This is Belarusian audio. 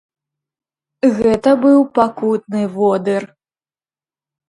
Гэта быў пакутны водыр!